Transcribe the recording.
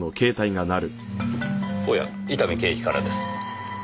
おや伊丹刑事からです。